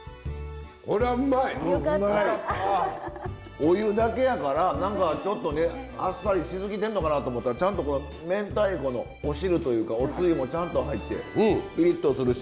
お湯だけやから何かちょっとねあっさりしすぎてんのかなと思ったらちゃんと明太子のお汁というかおつゆもちゃんと入ってピリッとするし。